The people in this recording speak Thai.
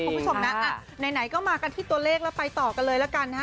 คุณผู้ชมนะไหนก็มากันที่ตัวเลขแล้วไปต่อกันเลยละกันนะฮะ